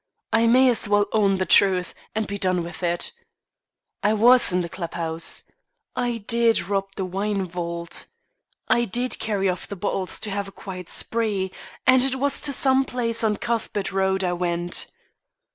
I may as well own the truth, and be done with it. I was in the clubhouse. I did rob the wine vault; I did carry off the bottles to have a quiet spree, and it was to some place on Cuthbert Road I went.